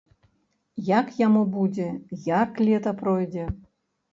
Як яму будзе, як лета пройдзе?